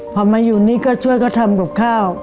พอมาอยู่นี่ก็ช่วยเขาทำกับข้าว